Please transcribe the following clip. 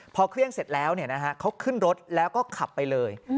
พอเครื่องเสร็จแล้วเขาขึ้นรถแล้วก็ขับไปเลย